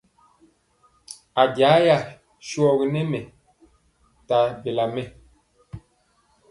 A jayɛ nɛ mɛ won sɔgi nta bela mɛ.